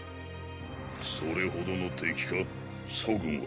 それほどの敵か楚軍は。